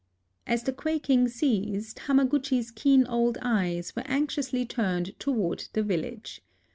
As the quaking ceased Hamaguchi's keen old eyes were anxiously turned toward the village.